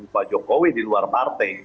pak jokowi di luar partai